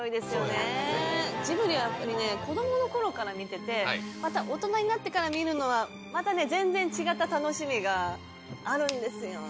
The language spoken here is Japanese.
ジブリはやっぱりね子供の頃から見ててまた大人になってから見るのはまたね全然違った楽しみがあるんですよ。